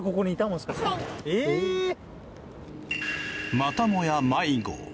またもや迷子。